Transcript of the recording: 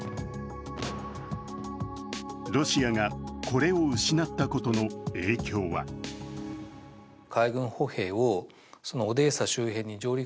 ロシアがこれを失ったことの影響は対する